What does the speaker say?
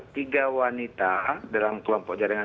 tiga wanita dalam kelompok jaringan